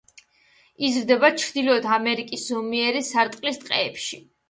იზრდება ჩრდილოეთ ამერიკის ზომიერი სარტყლის ტყეებში.